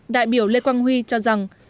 đại biểu lê quang huy cho rằng